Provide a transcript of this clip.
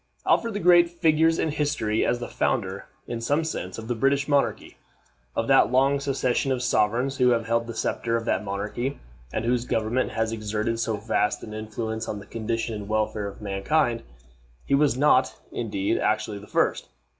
Alfred the Great figures in history as the founder, in some sense, of the British monarchy. Of that long succession of sovereigns who have held the scepter of that monarchy, and whose government has exerted so vast an influence on the condition and welfare of mankind, he was not, indeed, actually the first.